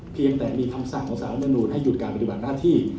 เพียงแต่มีคำสั่งของสารรัฐมนุนให้หยุดการปฏิบัติหน้าที่